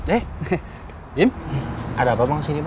eh jim ada apa bang sini bu